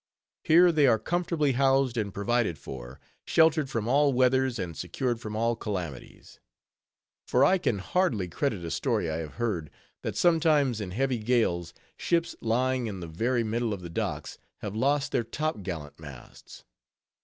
Here they are comfortably housed and provided for; sheltered from all weathers and secured from all calamities. For I can hardly credit a story I have heard, that sometimes, in heavy gales, ships lying in the very middle of the docks have lost their top gallant masts.